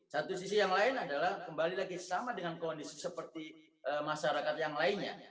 satu sisi yang lain adalah kembali lagi sama dengan kondisi seperti masyarakat yang lainnya